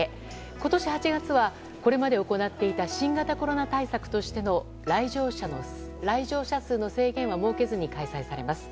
今年８月は、これまで行っていた新型コロナ対策としての来場者数の制限は設けずに開催されます。